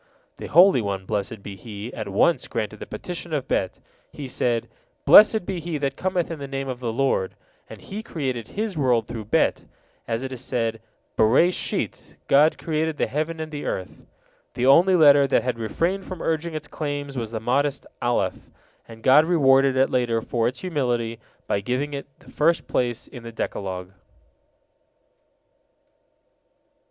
'" The Holy One, blessed be He, at once granted the petition of Bet. He said, "Blessed be he that cometh in the name of the Lord." And He created His world through Bet, as it is said, "Bereshit God created the heaven and the earth." The only letter that had refrained from urging its claims was the modest Alef, and God rewarded it later for its humility by giving it the first place in the Decalogue.